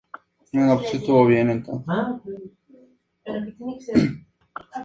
Le sobreviven el propio Genaro, el comandante Garza Palacio y el comandante Cárdenas Palomino.